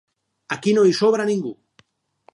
Aquí no hi sobra ningú.